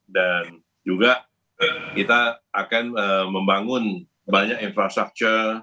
dan juga kita akan membangun banyak infrastruktur